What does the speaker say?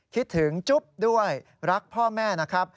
คิดถึงจุ๊บด้วยรักพ่อแม่นะครับ